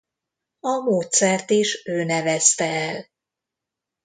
A módszert is ő nevezte el.